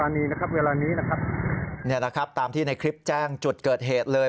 เนี่ยนะครับตามที่ในคลิปแจ้งจุดเกิดเหตุเลย